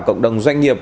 cộng đồng doanh nghiệp